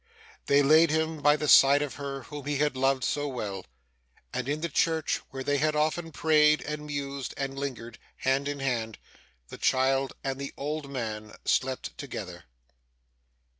They laid him by the side of her whom he had loved so well; and, in the church where they had often prayed, and mused, and lingered hand in hand, the child and the old man slept together.